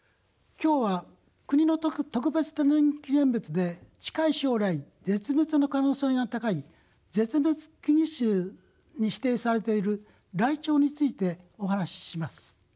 今日は国の特別天然記念物で近い将来絶滅の可能性が高い絶滅危惧種に指定されているライチョウについてお話しします。